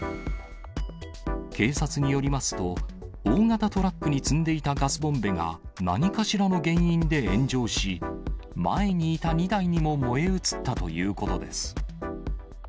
警察によりますと、大型トラックに積んでいたガスボンベが何かしらの原因で炎上し、前にいた２台にも燃え移ったということです。